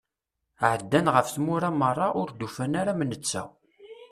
Ɛeddan ɣef tmura meṛṛa ur d-ufan ara am netta.